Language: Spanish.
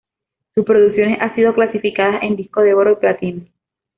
Sus producciones han sido clasificadas en discos de Oro y Platino.